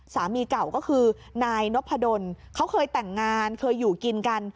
สามีเก่าก็คือนายนพดลเขาเคยแต่งงานเคยอยู่กินกัน